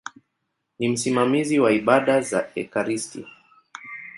Ni msimamizi wa ibada za ekaristi.